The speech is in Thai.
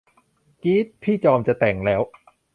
กี๊ด พี่จอมจะแต่งแล้ว